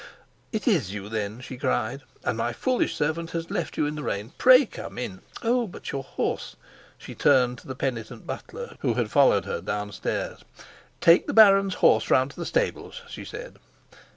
"It is you, then?" she cried. "And my foolish servant has left you in the rain! Pray come in. Oh, but your horse!" She turned to the penitent butler, who had followed her downstairs. "Take the baron's horse round to the stables," she said.